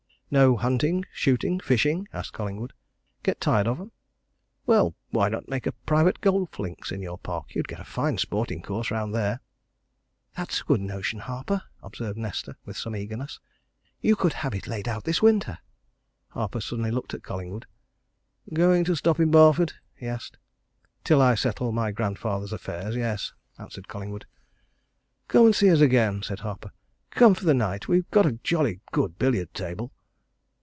"No hunting, shooting, fishing?" asked Collingwood. "Get tired of 'em? Well, why not make a private golf links in your park? You'd get a fine sporting course round there." "That's a good notion, Harper," observed Nesta, with some eagerness. "You could have it laid out this winter." Harper suddenly looked at Collingwood. "Going to stop in Barford?" he asked. "Till I settle my grandfather's affairs yes," answered Collingwood. "Come and see us again," said Harper. "Come for the night we've got a jolly good billiard table."